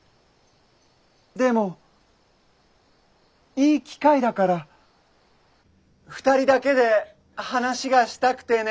でもいい機会だから２人だけで話がしたくてね。